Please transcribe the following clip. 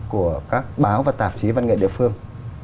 của các báo và tạp chí văn nghệ địa phương